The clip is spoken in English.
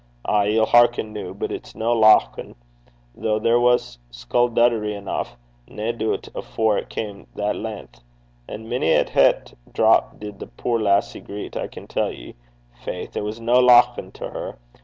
Ay! ye'll a' hearken noo; but it's no lauchin', though there was sculduddery eneuch, nae doobt, afore it cam' that len'th. And mony a het drap did the puir lassie greet, I can tell ye. Faith! it was no lauchin' to her.